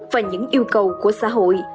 và những yêu cầu của xã hội